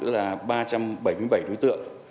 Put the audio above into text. là ba trăm bảy mươi bảy đối tượng